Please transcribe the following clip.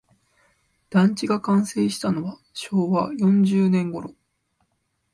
団地が完成したのは昭和四十年ごろ